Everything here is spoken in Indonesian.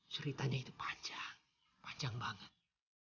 ceritanya itu pacang panjang banget